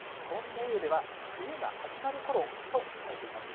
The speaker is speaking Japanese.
暦の上では冬が始まるころとされています。